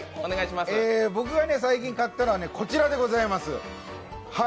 僕が最近買ったのはこちらでございます。